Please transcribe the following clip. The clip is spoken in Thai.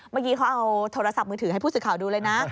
เมื่อกี้เขาเอาโทรศัพท์มือถือให้ผู้สื่อข่าวดูเลยนะ